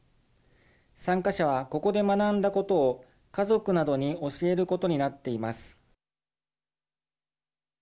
参加者は、ここで学んだことを家族などに教えることになっています。